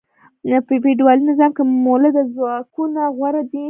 په فیوډالي نظام کې مؤلده ځواکونه غوره وو.